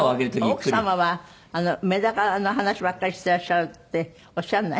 奥様はメダカの話ばっかりしてらっしゃるっておっしゃらない？